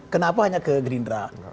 kenapa hanya ke green dress